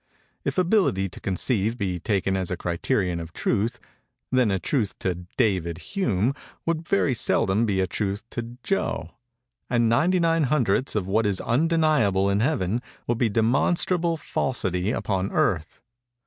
If ability to conceive be taken as a criterion of Truth, then a truth to David Hume would very seldom be a truth to Joe; and ninety nine hundredths of what is undeniable in Heaven would be demonstrable falsity upon Earth.